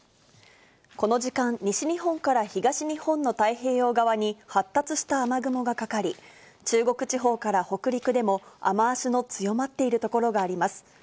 この時間、西日本から東日本の太平洋側に、発達した雨雲がかかり、中国地方から北陸でも、雨足の強まっている所があります。